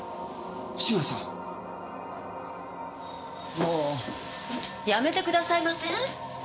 もうやめてくださいません？